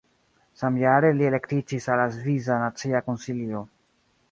Samjare li elektiĝis al la Svisa Nacia Konsilio.